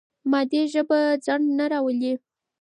مادي ژبه ځنډ نه راولي.